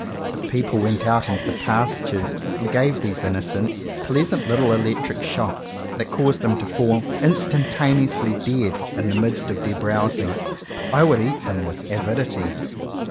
If people went out into the pastures and gave these innocents pleasant little electric shocks that caused them to fall instantane ously dead in the midst of their browsing, I would eat them with avidity.